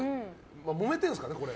もめてるんですかね、これ。